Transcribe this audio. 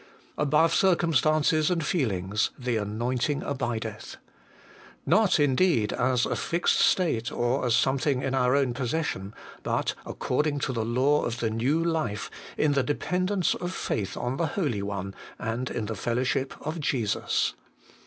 Above circumstances and feelings, 'the anointing abideth.' Not, indeed, as a fixed state or as some thing in our own possession ; but, according to the law of the new life, in the dependence of faith on the Holy One, and in the fellowship of Jesus.